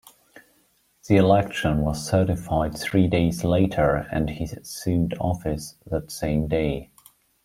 The election was certified three days later and he assumed office that same day.